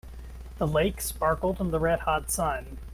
The lake sparkled in the red hot sun.